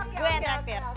gue yang traktir